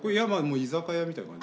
居酒屋みたいな感じですね。